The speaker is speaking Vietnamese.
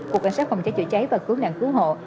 cục cảnh sát phòng cháy chữa cháy và cứu nạn cứu hộ